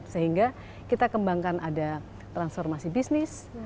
sehingga kita kembangkan ada transformasi bisnis